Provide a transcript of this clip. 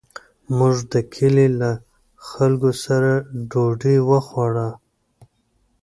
موږ د کلي له خلکو سره ډوډۍ وخوړه.